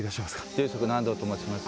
住職の安藤と申します。